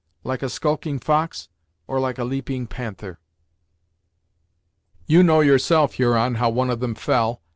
Like a skulking fox, or like a leaping panther." "You know yourself, Huron, how one of them fell.